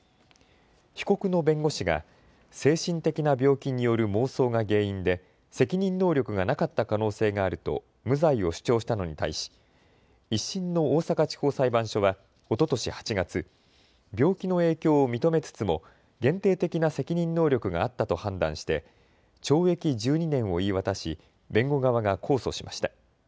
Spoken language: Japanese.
被告の弁護士が精神的な病気による妄想が原因で責任能力がなかった可能性があると無罪を主張したのに対し１審の大阪地方裁判所はおととし８月、病気の影響を認めつつも限定的な責任能力があったと判断して懲役１２年を言い渡し弁護側が控訴しました。